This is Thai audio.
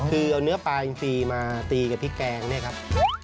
คือเอาเนื้อปลาอินซีมาตีกับพริกแกงเนี่ยครับ